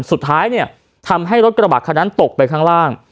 สุดท้ายเนี่ยทำให้รถกระบะคันนั้นตกไปข้างล่าง